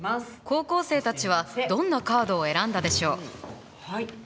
高校生たちはどんなカードを選んだでしょう？